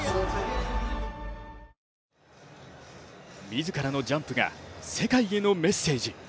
自らのジャンプが世界へのメッセージ。